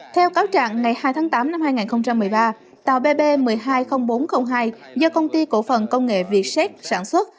theo cáo trạng ngày hai tháng tám năm hai nghìn một mươi ba tàu bb một mươi hai nghìn bốn trăm linh hai do công ty cổ phần công nghệ việt ét sản xuất